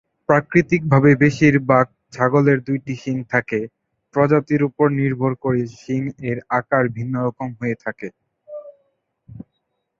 প্রাকৃতিকভাবে বেশিরভাগ ছাগলের দুইটি শিং থাকে, প্রজাতির উপর নির্ভর করে শিং-এর আকার ভিন্ন রকম হয়ে থাকে।